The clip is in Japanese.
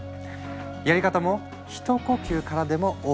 やり方も「ひと呼吸からでもＯＫ！